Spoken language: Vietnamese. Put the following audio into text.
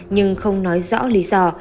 nhưng không nói rõ lý do